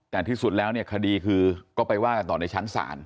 แต่ที่สุดแล้วเนี่ยคดีคือก็ไปว่ากันต่อในชั้นศาล